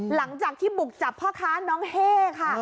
หลังจากที่บุกจับพคั้นน้องเห่จะได้ค่ะ